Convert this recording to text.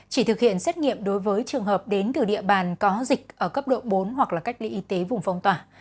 chỉ thực hiện xét nghiệm đối với trường hợp đến từ địa bàn có dịch ở cấp độ bốn hoặc là cách ly y tế vùng phong tỏa